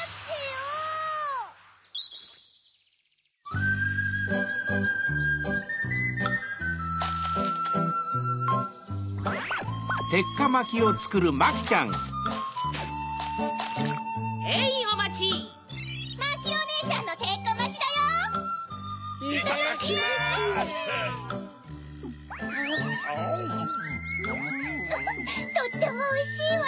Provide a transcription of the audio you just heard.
ウフっとってもおいしいわ！